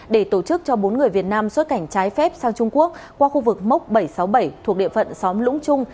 để tổ chức cho bốn người việt nam xuất cảnh trái phép sang trung quốc qua khu vực mốc bảy trăm sáu mươi bảy thuộc địa phận xóm lũng trung